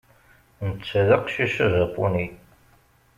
Netta d aqcic ajapuni.